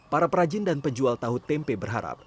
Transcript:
para perajin dan penjual tahu tempe berharap